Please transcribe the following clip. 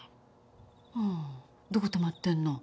ああどこ泊まってんの。